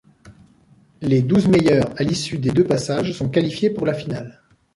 Les douze meilleures à l'issue des deux passages sont qualifiées pour la finale.